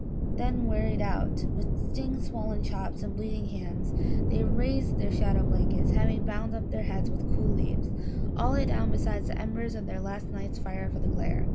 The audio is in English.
Then, wearied out, with sting swollen chops and bleeding hands, they raised their shadow blankets, and having bound up their heads with cool leaves, all lay down beside the embers of their last night's fire for the "glare."